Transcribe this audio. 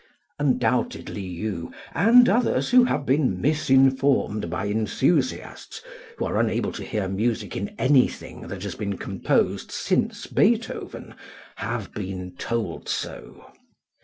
Undoubtedly you, and others who have been misinformed by enthusiasts who are unable to hear music in anything that has been composed since Beethoven, have been told so.